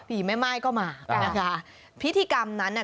ผีแม่ไม้ก็มานะคะพิธีกรรมนั้นเนี้ย